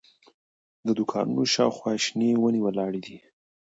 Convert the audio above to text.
د دوکانونو شاوخوا شنې ونې ولاړې دي.